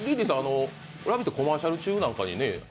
「ラヴィット！」のコマーシャル中なんかにね。